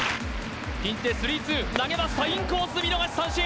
スリー・ツー投げましたインコース見逃し三振！